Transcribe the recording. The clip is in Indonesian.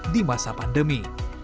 di masa pandemi